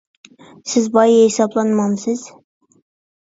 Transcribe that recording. سىز باي ھېسابلانمامسىز؟